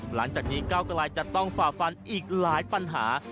หลังจากนี้เก้ากลายจะต้องฝ่าฟันอีกหลายปัญหา